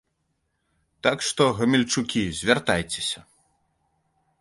Так што, гамельчукі, звяртайцеся!